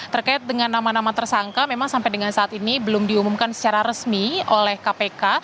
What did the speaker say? terkait dengan nama nama tersangka memang sampai dengan saat ini belum diumumkan secara resmi oleh kpk